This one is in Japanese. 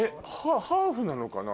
ハーフなのかな？